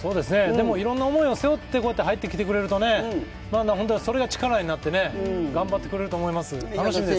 いろんな思いを背負ってこうやって入ってくれると、それが力になって頑張ってくれると思います、楽しみです。